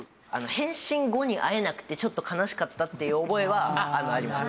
変身後に会えなくてちょっと悲しかったっていう覚えはあります。